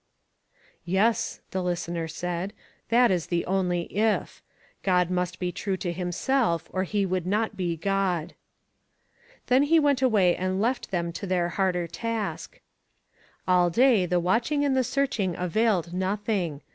"Yes," the listener said, "that is the only ' if.' God must be true to himself or he would not be God." Then he went away and left them to THE VIGILANCE COMMITTEE. 489 their harder task. All day the watching and the searching availed nothing.